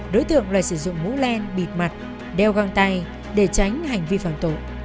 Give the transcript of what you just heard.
đối tượng lại sử dụng mũ len bịt mặt đeo găng tay để tránh hành vi phạm tội